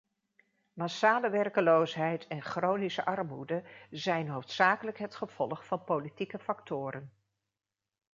Massale werkloosheid en chronische armoede zijn hoofdzakelijk het gevolg van politieke factoren.